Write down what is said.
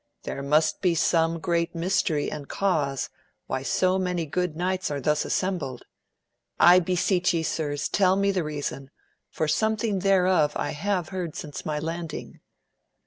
There must be some great mystery and cause why so many good knights are thus assembled. I beseech ye sirs tell me the reason, for something thereof I have heard since my landing.